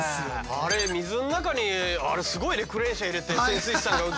あれ水の中にあれすごいねクレーン車入れて潜水士さんが運転してるのね。